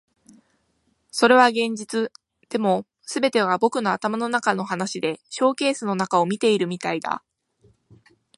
それは現実。でも、全てが僕の頭の中の話でショーケースの中を見ているみたいだ。